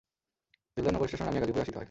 দিলদারনগর ষ্টেশনে নামিয়া গাজীপুরে আসিতে হয়।